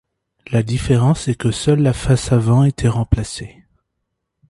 La différence est que seule la face avant était remplacée.